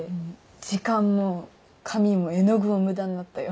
時間も紙も絵の具も無駄になったよ。